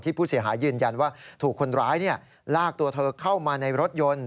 ผู้เสียหายยืนยันว่าถูกคนร้ายลากตัวเธอเข้ามาในรถยนต์